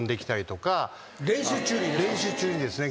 練習中にですね。